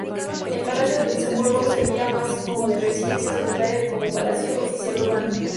El Palacio de Luxemburgo servía más como residencia secundaria que como palacio oficial urbano.